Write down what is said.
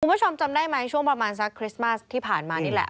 คุณผู้ชมจำได้ไหมช่วงประมาณสักคริสต์มาสที่ผ่านมานี่แหละ